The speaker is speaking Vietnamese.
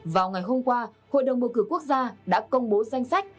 vào ngày hôm qua hội đồng bầu cử quốc gia đã công bố danh sách